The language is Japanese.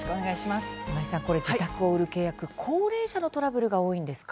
今井さん、自宅を売る契約高齢者のトラブルが多いんですか。